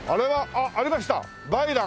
あっありました「梅蘭」。